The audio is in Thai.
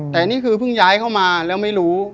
แต่นี่คือเพิ่งย้ายเข้ามาแล้วไม่รู้